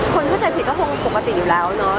คนเข้าใจผิดก็คงปกติอยู่แล้วเนาะ